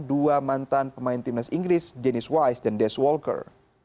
dua mantan pemain timnas inggris jenis wise dan des walker